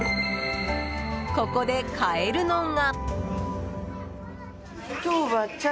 ここで買えるのが。